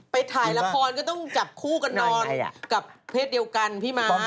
ถ่ายละครก็ต้องจับคู่กันนอนกับเพศเดียวกันพี่ม้า